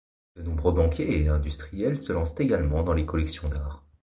De nombreux banquiers et industriels se lancent également dans les collections d'art.